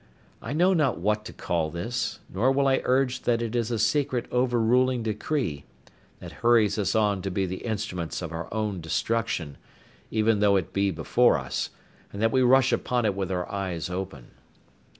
I know not what to call this, nor will I urge that it is a secret overruling decree, that hurries us on to be the instruments of our own destruction, even though it be before us, and that we rush upon it with our eyes open.